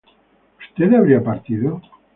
¿Usted habría partido?